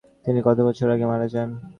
তিনি কত বছর আগে মারা যান?